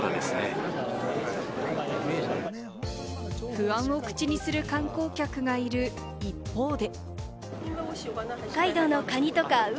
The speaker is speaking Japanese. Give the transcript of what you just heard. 不安を口にする観光客がいる一方で。